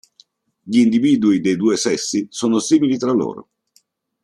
Gli individui dei due sessi sono simili tra loro.